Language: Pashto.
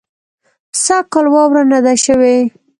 سږ کال واوره نۀ ده شوې